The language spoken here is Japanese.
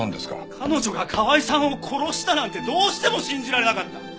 彼女が河合さんを殺したなんてどうしても信じられなかった！